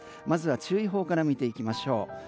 まずは注意報から見ていきましょう。